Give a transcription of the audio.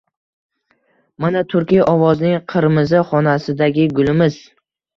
Mana, Turkiya ovozining qirmizi xonasidagi gulimiz!